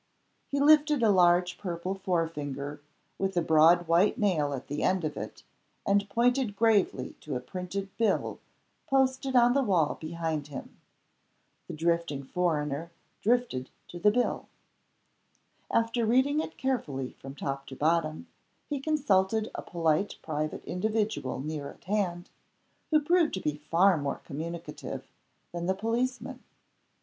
He lifted a large purple forefinger, with a broad white nail at the end of it, and pointed gravely to a printed Bill, posted on the wall behind him. The drifting foreigner drifted to the Bill. After reading it carefully, from top to bottom, he consulted a polite private individual near at hand, who proved to be far more communicative than the policeman.